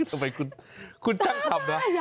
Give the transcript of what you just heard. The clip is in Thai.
เออทำไมคุณคุณช่างคำนะ